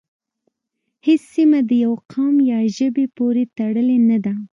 هیڅ سیمه د یوه قوم یا ژبې پورې تړلې نه ده